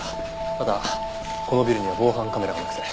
ただこのビルには防犯カメラがなくて。